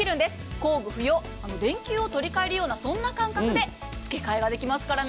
工具不要、電球を取り替えるような感覚で付け替えができますからね。